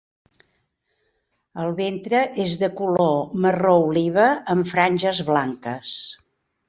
El ventre és de color marró oliva amb franges blanques.